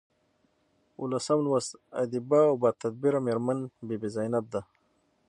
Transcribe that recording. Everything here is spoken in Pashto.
اوولسم لوست ادیبه او باتدبیره میرمن بي بي زینب ده.